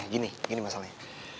gini gini masalahnya